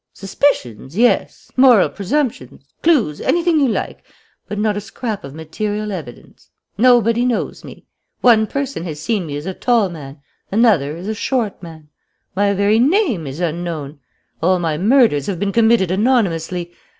Suspicions, yes, moral presumptions, clues, anything you like, but not a scrap of material evidence. Nobody knows me. One person has seen me as a tall man, another as a short man. My very name is unknown. All my murders have been committed anonymously.